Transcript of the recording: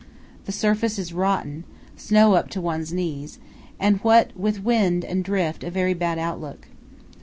The surface is rotten, snow up to one's knees, and what with wind and drift a very bad outlook.